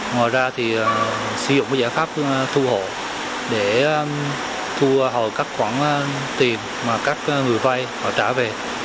ngoài ra thì sử dụng giải pháp thu hộ để thu hồi các khoản tiền mà các người vay họ trả về